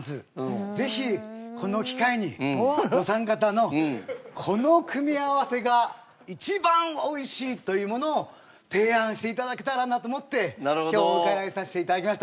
ぜひこの機会にお三方のこの組み合わせが一番美味しいというものを提案して頂けたらなと思って今日お伺いさせて頂きました。